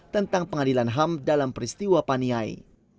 tentang pengadilan ham dalam peristiwa paniai